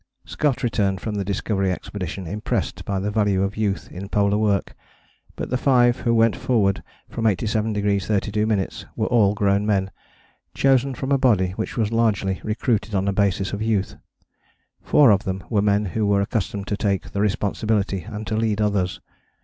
Scott returned from the Discovery Expedition impressed by the value of youth in polar work; but the five who went forward from 87° 32´ were all grown men, chosen from a body which was largely recruited on a basis of youth. Four of them were men who were accustomed to take responsibility and to lead others.